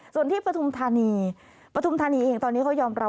ส่วนที่ปฐุมธานีปฐุมธานีเองตอนนี้เขายอมรับ